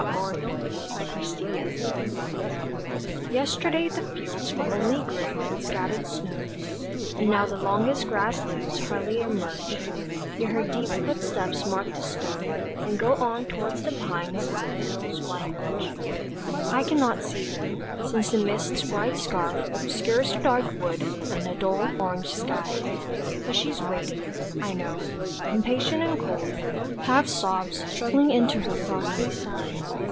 A WINTER'S TALE YESTERDAY the fields were only grey with scattered snow, And now the longest grass leaves hardly emerge; Yet her deep footsteps mark the snow, and go On towards the pines at the hills' white verge. I cannot see her, since the mist's white scarf Obscures the dark wood and the dull orange sky; But she's waiting, I know, impatient and cold, half Sobs struggling into her frosty sigh.